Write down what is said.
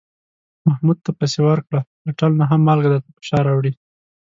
محمود ته پسې ورکړه، له ټل نه هم مالگه درته په شا راوړي.